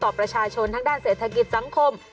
กรุ่บต่อประชาชนทางด้านเศรษฐกิจสังคม